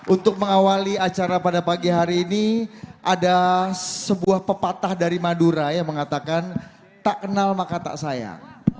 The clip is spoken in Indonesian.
untuk mengawali acara pada pagi hari ini ada sebuah pepatah dari madura yang mengatakan tak kenal maka tak sayang